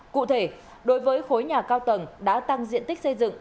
cụ thể đối với khối nhà cao tầng đã tăng diện tích xây dựng